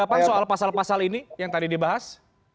ada pertanggapan soal pasal pasal ini yang tadi dibahas